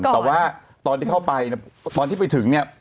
แต่ว่าตอนที่เข้าไปตอนที่ไปถึงเนี่ย